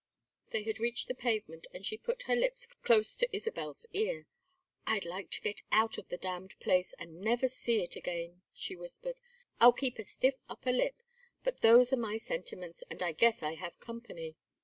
They had reached the pavement and she put her lips close to Isabel's ear. "I'd like to get out of the damned place and never see it again," she whispered. "I'll keep a stiff upper lip, but those are my sentiments and I guess I have company."